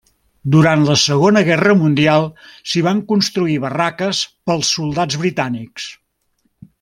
Durant la Segona Guerra Mundial, s'hi van construir barraques pels soldats britànics.